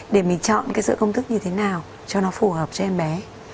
để mình chọn cái sự công thức như thế nào cho nó phù hợp cho em bé